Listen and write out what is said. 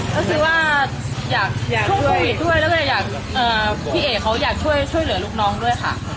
ก็คือว่าอยากช่วยโควิดด้วยแล้วก็อยากพี่เอกเขาอยากช่วยเหลือลูกน้องด้วยค่ะ